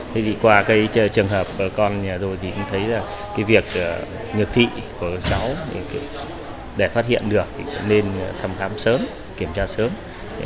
thế thì qua trường hợp con nhà rồi thì cũng thấy việc nhập thị của cháu để phát hiện được nên thăm khám sớm kiểm tra sớm